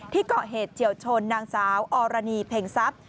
ที่เกาะเหตุเฉียวชนนางสาวออรานีเพ็งซับ